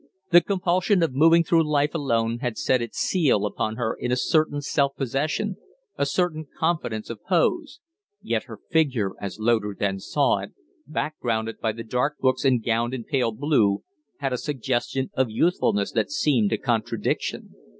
The compulsion of moving through life alone had set its seal upon her in a certain self possession, a certain confidence of pose; yet her figure, as Loder then saw it, backgrounded by the dark books and gowned in pale blue, had a suggestion of youthfulness that seemed a contradiction.